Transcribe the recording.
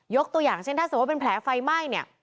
ตัวอย่างเช่นถ้าสมมุติเป็นแผลไฟไหม้เนี่ย